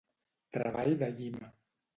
Treball de llima.